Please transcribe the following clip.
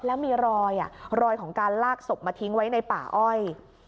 แล้วมีรอยรอยของการลากศพมาทิ้งไว้ในป่าอ้อย